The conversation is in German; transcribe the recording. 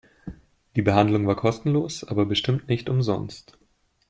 Die Behandlung war kostenlos, aber bestimmt nicht umsonst.